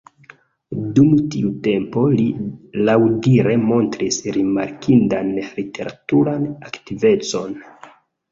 Dum tiu tempo li laŭdire montris rimarkindan literaturan aktivecon.